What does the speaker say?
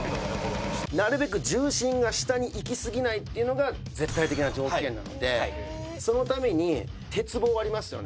なるべく重心が下にいきすぎないっていうのが絶対的な条件なのでそのために鉄棒ありますよね？